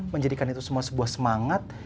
menjadikan itu semua sebuah semangat